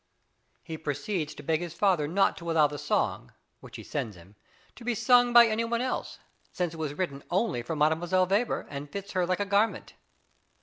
He proceeds to beg his father not to allow the song (which he sends him) to be sung by any one else, since it was written only for Mdlle. Weber, and fits her like a garment.